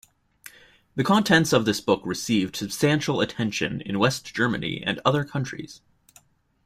The contents of this book received substantial attention in West Germany and other countries.